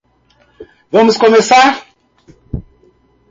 Vamos começar.